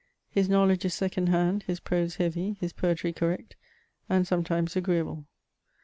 His knowledge is second hand, his prose heavy, his poetry correct, and sometimes agreeable.